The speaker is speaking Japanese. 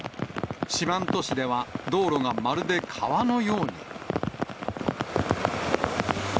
四万十市では、道路がまるで川のように。